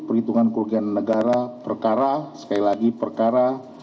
perhitungan kerugian negara perkara sekali lagi perkara